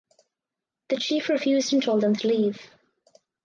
The chief refused and told them to leave.